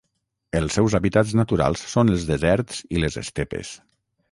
Els seus hàbitats naturals són els deserts i les estepes.